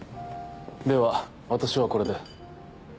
では私はこれで。